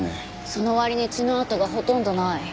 その割に血の痕がほとんどない。